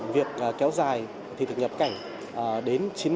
việc kéo dài thị thực nhập cảnh đến chín năm